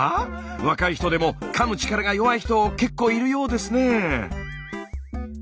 若い人でもかむ力が弱い人結構いるようですね。